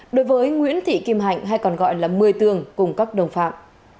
đối với nguyễn thị kim hạnh hay còn gọi là mười tường cùng các đồng phạm